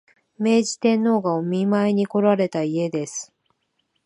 明治天皇がお見舞いにこられた家です